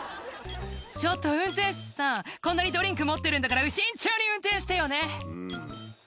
「ちょっと運転手さんこんなにドリンク持ってるんだから慎重に運転してよね」